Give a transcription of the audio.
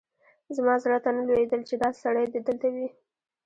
زما زړه ته نه لوېدل چې دا سړی دې دلته وي.